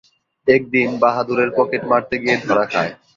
একদিন বাহাদুরের পকেট মারতে গিয়ে ধরা খায়।